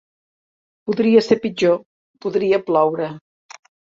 Podria ser pitjor: podria ploure.